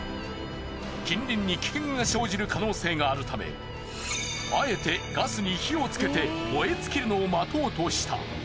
近隣に危険が生じる可能性があるためあえてガスに火をつけて燃え尽きるのを待とうとした。